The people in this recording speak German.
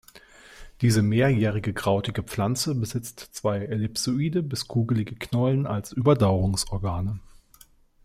Diese mehrjährige krautige Pflanze besitzt zwei ellipsoide bis kugelige Knollen als Überdauerungsorgane.